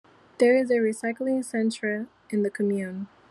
There is a recycling centre in the commune.